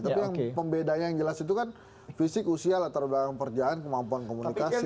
tapi yang pembedanya yang jelas itu kan fisik usia latar belakang pekerjaan kemampuan komunikasi